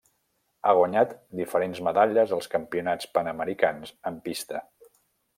Ha guanyat diferents medalles als Campionats Panamericans en pista.